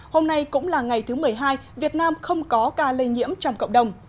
hôm nay cũng là ngày thứ một mươi hai việt nam không có ca lây nhiễm trong cộng đồng